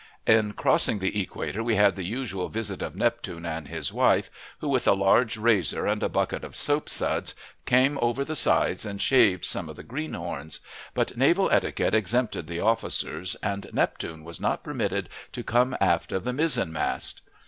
In crossing the equator we had the usual visit of Neptune and his wife, who, with a large razor and a bucket of soapsuds, came over the sides and shaved some of the greenhorns; but naval etiquette exempted the officers, and Neptune was not permitted to come aft of the mizzen mast.